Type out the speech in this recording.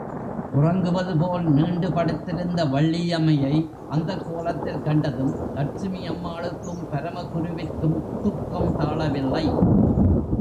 உறங்குவது போல் நீண்டு படுத்திருந்த வள்ளியம்மையை அந்தக் கோலத்தில் கண்டதும், லட்சுமி அம்மாளுக்கும், பரமகுருவிற்கும் துக்கம் தாளவில்லை.